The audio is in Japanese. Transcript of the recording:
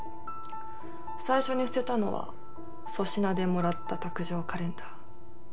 最初に捨てたのは粗品でもらった卓上カレンダー。